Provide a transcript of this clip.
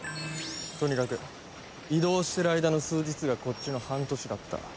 とにかく移動してる間の数日がこっちの半年だった。